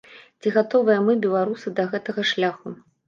Ці гатовыя мы, беларусы, да гэтага шляху?